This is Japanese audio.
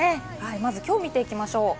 まず、きょうを見ていきましょう。